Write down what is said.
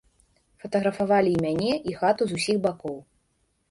Фатаграфавалі і мяне, і хату з усіх бакоў.